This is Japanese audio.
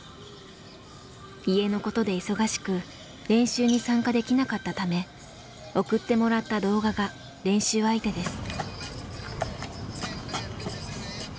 家のことで忙しく練習に参加できなかったため送ってもらった動画が練習相手です。